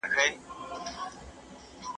يو تۀ د جام پۀ وړاندې د تصوير پۀ څېر ګونګے شې